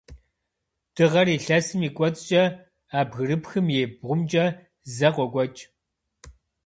Дыгъэр илъэсым и кӏуэцӏкӏэ, а бгырыпхым и бгъумкӏэ зэ къокӏуэкӏ.